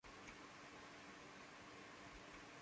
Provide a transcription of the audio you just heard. Solo el Ilmo.